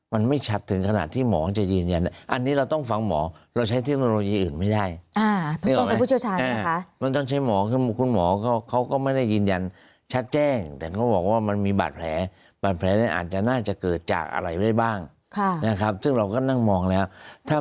ว่าคดีที่ท่านเป็นผู้เสียหายคดีถึงเราแล้วนะ